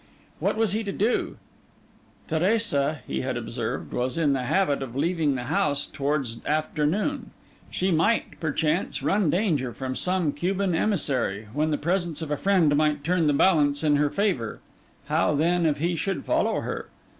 What was he to do? Teresa, he had observed, was in the habit of leaving the house towards afternoon: she might, perchance, run danger from some Cuban emissary, when the presence of a friend might turn the balance in her favour: how, then, if he should follow her?